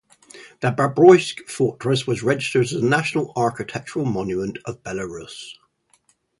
The Babruysk Fortress was registered as a national architectural monument of Belarus.